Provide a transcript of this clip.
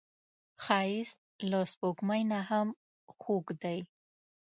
ښایست له سپوږمۍ نه هم خوږ دی